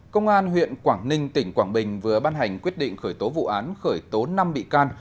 công an huyện quảng ninh tỉnh quảng bình vừa ban hành quyết định khởi tố vụ án khởi tố năm bị can